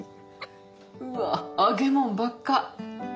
うわっ揚げもんばっか。